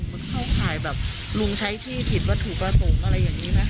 มันเข้าข่ายแบบลุงใช้ที่ผิดวัตถุประสงค์อะไรอย่างนี้ไหม